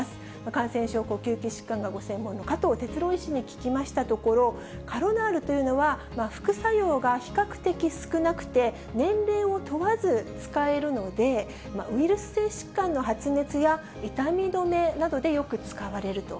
感染症、呼吸器疾患がご専門の加藤哲朗医師に聞きましたところ、カロナールというのは、副作用が比較的少なくて、年齢を問わず使えるので、ウイルス性疾患の発熱や痛み止めなどでよく使われると。